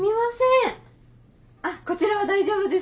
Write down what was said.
こちらは大丈夫です。